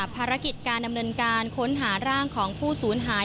ภารกิจการดำเนินการค้นหาร่างของผู้สูญหาย